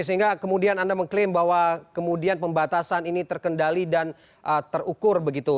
sehingga kemudian anda mengklaim bahwa kemudian pembatasan ini terkendali dan terukur begitu